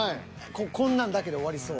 こんなんだけで終わりそう。